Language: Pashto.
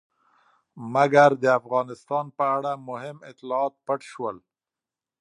مګر د افغانستان په اړه مهم اطلاعات پټ شول.